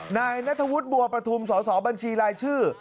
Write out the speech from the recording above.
นายนัทวุฒิบัวประทุมสสบัญชีรายชื่อ